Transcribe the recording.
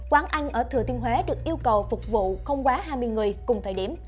quán ăn ở thừa thiên huế được yêu cầu phục vụ không quá hai mươi người cùng thời điểm